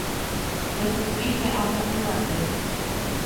Pehupíke amo yvate